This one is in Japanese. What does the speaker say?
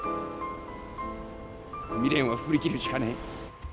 未練は振り切るしかねえ